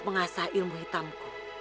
mengantar anak saya